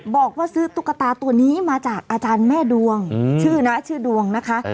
บอกว่าซื้อตุ๊กตาตัวนี้มาจากอาจารย์แม่ดวงชื่อนะชื่อดวงนะคะ